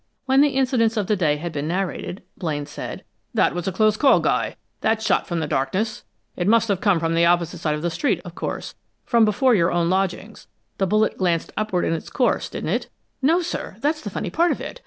When the incidents of the day had been narrated, Blaine said: "That was a close call, Guy, that shot from the darkness. It must have come from the opposite side of the street, of course, from before your own lodgings. The bullet glanced upward in its course, didn't it?" "No, sir. That's the funny part of it!